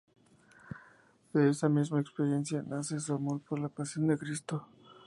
De esa misma experiencia nace su amor por la Pasión de Cristo.